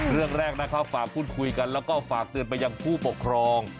เรื่องแรกนะครับฝากพูดคุยกันแล้วก็ฝากเตือนไปยังผู้ปกครอง